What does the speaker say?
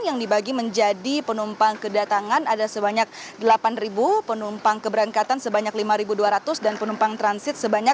yang dibagi menjadi penumpang kedatangan ada sebanyak delapan penumpang keberangkatan sebanyak lima dua ratus dan penumpang transit